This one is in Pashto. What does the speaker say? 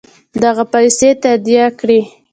دغه پیسې تادیه کړي.